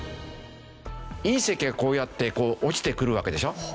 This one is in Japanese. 隕石がこうやって落ちてくるわけでしょ。